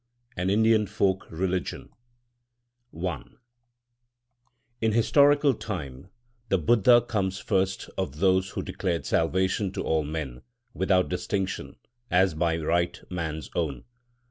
AN INDIAN FOLK RELIGION I In historical time the Buddha comes first of those who declared salvation to all men, without distinction, as by right man's own.